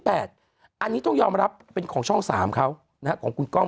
อันนี้ต้องยอมรับเป็นของช่อง๓เขาของคุณกล้อง